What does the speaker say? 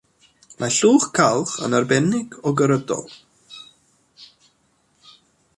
Mae llwch calch yn arbennig o gyrydol.